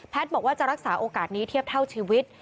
บอกว่าจะรักษาโอกาสนี้เทียบเท่าชีวิต